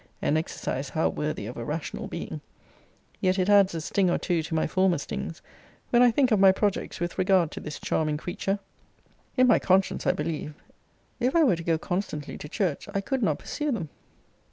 An exercise how worthy of a rational being! Yet it adds a sting or two to my former stings, when I think of my projects with regard to this charming creature. In my conscience, I believe, if I were to go constantly to church, I could not pursue them.